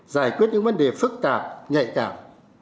giải quyết những vấn đề phức tạp nhạy cảm